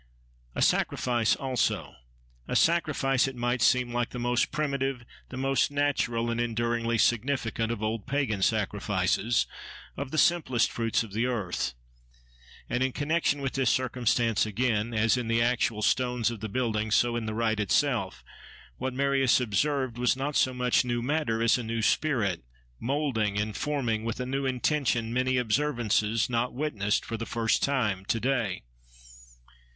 A sacrifice also,—a sacrifice, it might seem, like the most primitive, the most natural and enduringly significant of old pagan sacrifices, of the simplest fruits of the earth. And in connexion with this circumstance again, as in the actual stones of the building so in the rite itself, what Marius observed was not so much new matter as a new spirit, moulding, informing, with a new intention, many observances not witnessed for the first time to day.